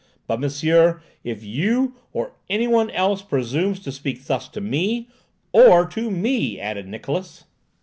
But monsieur, if you, or any one else, presume to speak thus to me—" "Or to me," added Niklausse.